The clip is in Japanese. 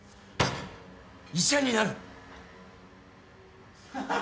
医者になる。